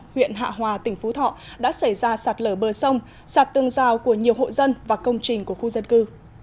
huyện hạ hòa tỉnh phú thọ đã xảy ra sạt lở bờ sông sạt tương giao của nhiều hộ dân và công trình của khu dân cư